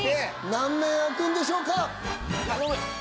何面あくんでしょうか！？